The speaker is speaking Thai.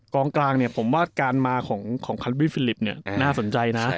กลางเนี่ยผมว่าการมาของคันบี้ฟิลิปเนี่ยน่าสนใจนะ